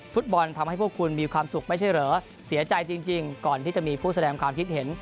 ฟุตบอลทำให้พวกคุณมีความสุขไม่ใช่เหรอเสียใจจริงก่อนที่จะมีผู้แสดงความคิดเห็น